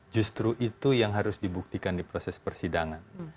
justru itu yang harus dibuktikan di proses persidangan